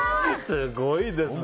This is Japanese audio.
すごいですね。